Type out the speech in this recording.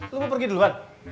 lu mau pergi duluan